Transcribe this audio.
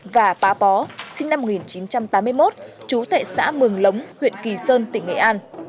và pá bó sinh năm một nghìn chín trăm tám mươi một chú thệ xã mường lống huyện kỳ sơn tỉnh nghệ an